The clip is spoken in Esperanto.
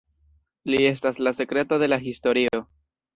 Li estas la sekreto de la historio.